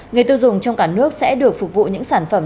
người tiêu dùng trong cả nước sẽ được phục vụ những sản phẩm